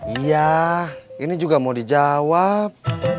iya ini juga mau dijawab